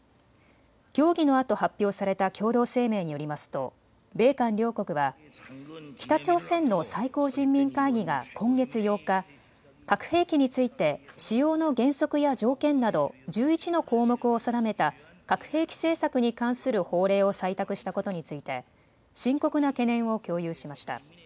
協議のあと発表された共同声明によりますと米韓両国は北朝鮮の最高人民会議が今月８日、核兵器について使用の原則や条件など１１の項目を定めた核兵器政策に関する法令を採択したことについて、深刻な懸念を共有しました。